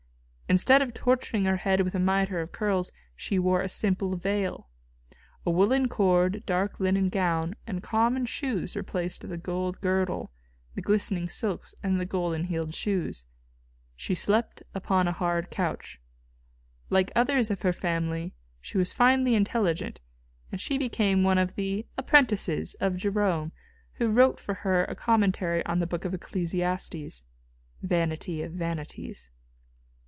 Instead of torturing her head with a mitre of curls, she wore a simple veil. A woollen cord, dark linen gown and common shoes replaced the gold embroidered girdle, the glistening silks and the golden heeled shoes. She slept upon a hard couch. Like others of her family she was finely intelligent, and she became one of the "apprentices" of Jerome, who wrote for her a commentary on the book of Ecclesiastes, "Vanity of Vanities."